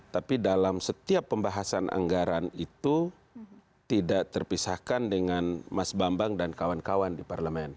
tapi dalam setiap pembahasan anggaran itu tidak terpisahkan dengan mas bambang dan kawan kawan di parlemen